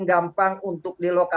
itu adalah hal yang harus dilakukan